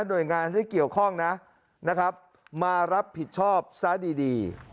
หน่วยงานที่เกี่ยวข้องนะมารับผิดชอบซ้าดี